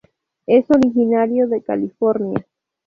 Es originario de California.